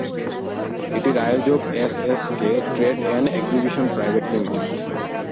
এটির আয়োজক A S K trade and exhibition private limited.